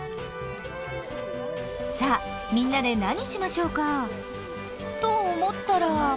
さあみんなで何しましょうか？と思ったら。